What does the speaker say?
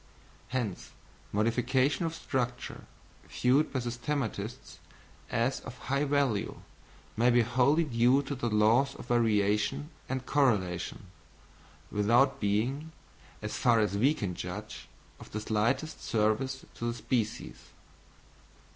Hence modifications of structure, viewed by systematists as of high value, may be wholly due to the laws of variation and correlation, without being, as far as we can judge, of the slightest service to the species.